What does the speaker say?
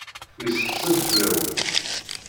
Yesseqsa-d fell-awen.